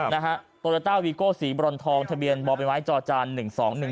นะฮะโตโยต้าวีโก้สีบรอนทองทะเบียนบ่อใบไม้จอจานหนึ่งสองหนึ่ง